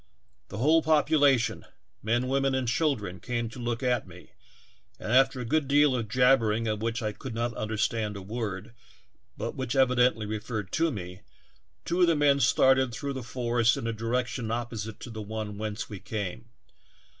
The whole population, men, women and children, came to look at me, and after a good deal of jabbering, of which I could not understand a word but which evidently referred to me, two of the men started through the forest in a direction opposite to the one whence we came.